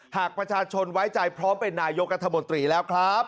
หากประชาชนไว้ใจพร้อมเป็นนายกรัฐมนตรีแล้วครับ